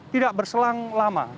tidak berselang lama